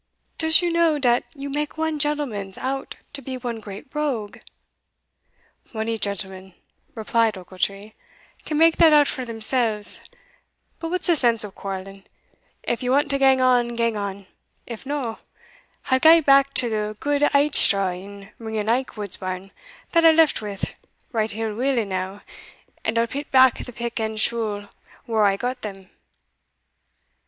"Does you know dat you make one gentlemans out to be one great rogue?" "Mony gentlemen," replied Ochiltree, "can make that out for themselves But what's the sense of quarrelling? If ye want to gang on, gang on if no I'll gae back to the gude ait straw in Ringan Aikwood's barn that I left wi' right ill will e'now, and I'll pit back the pick and shule whar I got them."